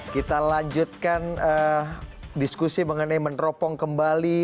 kita lanjutkan diskusi mengenai meneropong kembali